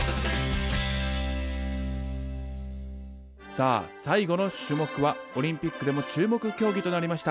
さあ最後の種目はオリンピックでも注目競技となりました